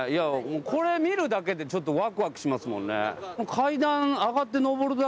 これ見るだけでちょっとワクワクしますもんね。